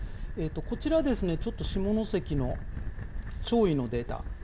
こちら、ちょっと下関の潮位のデータ。